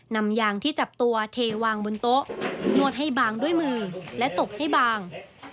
นำยางที่จับตัวเทวางบนโต๊ะนวดให้บางด้วยมือและตบให้บาง